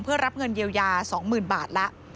เพื่อรับเงินเยียวยา๒๐๐๐บาทละ